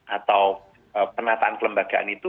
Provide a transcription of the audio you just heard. atau penataan kelembagaan itu